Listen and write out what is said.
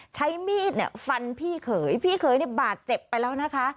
ใช้มีดเนี่ยฟันพี่เขยพี่เขยเนี่ยบาดเจ็บไปแล้วนะคะ